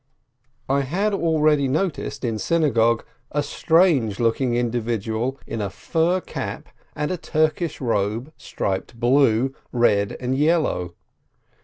I had already noticed, in synagogue, a strange looking indi vidual, in a fur cap, and a Turkish robe striped blue, red, and yellow.